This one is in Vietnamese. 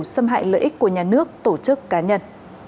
xâm hại lợi ích của nhà nước tổ chức cá nhân